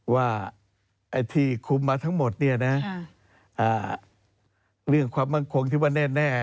ว่าไอ้ที่คุมมาทั้งหมดเรื่องความมั่นคงที่ว่าแน่